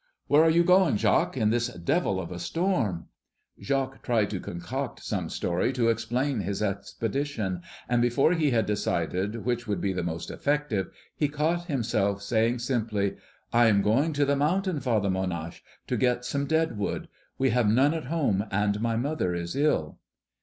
"Where are you going, Jacques, in this devil of a storm?" Jacques tried to concoct some story to explain his expedition; and before he had decided which would be the most effective, he caught himself saying simply, "I am going to the mountain, Father Monhache, to get some dead wood. We have none at home, and my mother is ill."